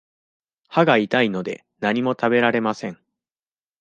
歯が痛いので、何も食べられません。